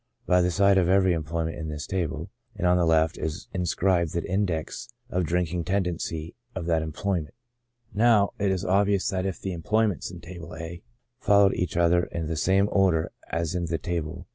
By the side of every employment in this table, and on the left, is inscribed the index of drinking tendency of that employment. (See opposite page.) Now, it is obvious that if the employments in Table A followed each other in the same order as in the Table, p.